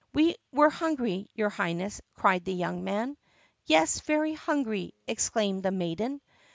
"We were hungry, your Highness!" cried the young man. "Yes, very hungry!" exclaimed the maiden.